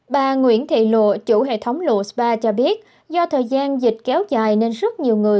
bà nguyễn thị lụa chủ hệ thống lộ spa cho biết do thời gian dịch kéo dài nên rất nhiều người